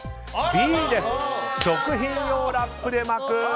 Ｂ、食品用ラップで巻く。